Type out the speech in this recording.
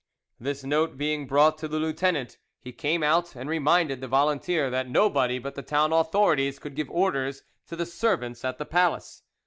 This note being brought to the lieutenant, he came out, and reminded the volunteer that nobody but the town authorities could give orders to the servants at the palace.